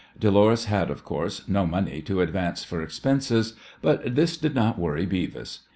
Dolores had, of course, no money to advance for expenses, but this did not worry Beavis.